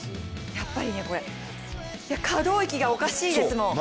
やっぱり可動域がおかしいですもん。